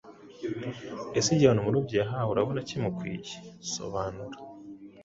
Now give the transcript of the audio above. Ese igihano umurobyi yahawe urabona kimukwiye? Sobanura